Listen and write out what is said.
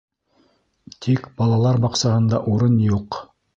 Тик балалар баҡсаһында урын юҡ.